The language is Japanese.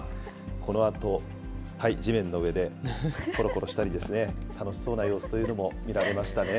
このあと、地面の上でころころしたりですね、楽しそうな様子というのも見られましたね。